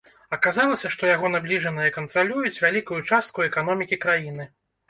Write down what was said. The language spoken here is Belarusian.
Аказалася, што яго набліжаныя кантралююць вялікую частку эканомікі краіны.